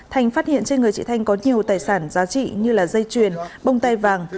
thành phát hiện trên người chị thanh có nhiều tài sản giá trị như dây chuyền bông tay vàng